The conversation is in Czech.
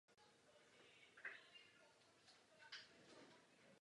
Ten je dnes považován za skutečně autentický.